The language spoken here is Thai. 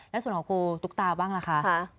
แล้วส่วนของครูตุ๊กตาบ้างล่ะคะ